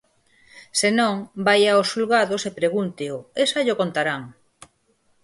Senón, vaia aos xulgados e pregúnteo, e xa llo contarán.